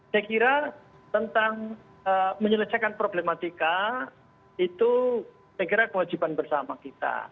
saya kira tentang menyelesaikan problematika itu saya kira kewajiban bersama kita